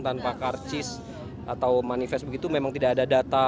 tanpa karcis atau manifest begitu memang tidak ada data